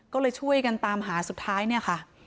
ก็เลยช่วยกันตามหาสุดท้ายเนี่ยค่ะ